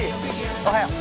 おおはよう！